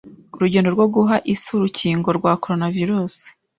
urugendo rwo guha Isi urukingo rwa Coronavirus